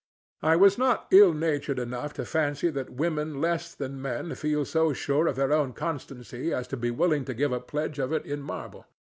I was not ill natured enough to fancy that women less than men feel so sure of their own constancy as to be willing to give a pledge of it in marble.